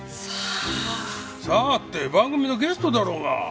「さあ？」って番組のゲストだろうが。